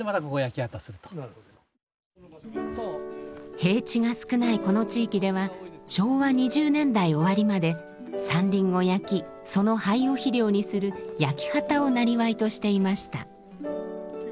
平地が少ないこの地域では昭和２０年代終わりまで山林を焼きその灰を肥料にする焼き畑を生業としていました。